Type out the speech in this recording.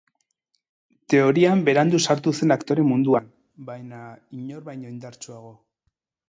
Teorian berandu sartu zen aktore munduan, baina inor baino indartsuago.